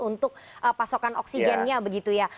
untuk pasokan oksigennya begitu ya